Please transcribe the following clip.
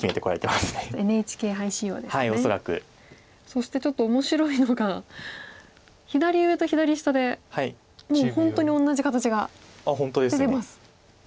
そしてちょっと面白いのが左上と左下でもう本当に同じ形が出てます。